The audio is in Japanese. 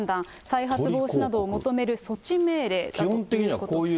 再発防止などを求める措置命令だということです。